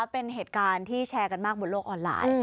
เป็นเหตุการณ์ที่แชร์กันมากบนโลกออนไลน์